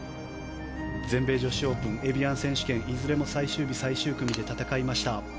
全米女子オープンエビアン選手権いずれも最終日、最終組で戦いました。